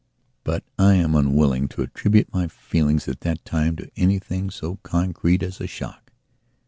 But I am unwilling to attribute my feelings at that time to anything so concrete as a shock.